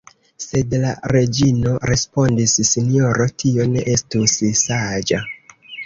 Sed la reĝino respondis: Sinjoro, tio ne estus saĝa.